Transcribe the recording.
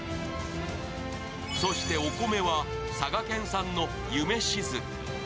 そしてお米は佐賀県産の夢しずく。